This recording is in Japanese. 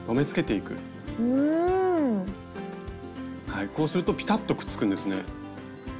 はいこうするとぴたっとくっつくんですね。